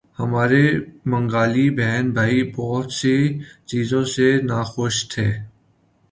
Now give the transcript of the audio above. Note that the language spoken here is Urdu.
ہمارے بنگالی بہن بھائی بہت سی چیزوں سے ناخوش تھے۔